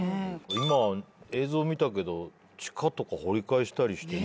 今映像見たけど地下とか掘り返したりしてね。